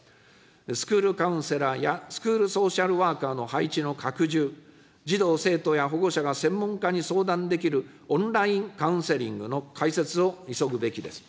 スクールカウンセラーやスクールソーシャルワーカーの配置の拡充、児童・生徒や保護者が専門家に相談できるオンラインカウンセリングの開設を急ぐべきです。